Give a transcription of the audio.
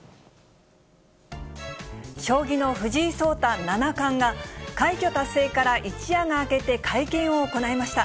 将棋の藤井聡太七冠が、快挙達成から一夜が明けて会見を行いました。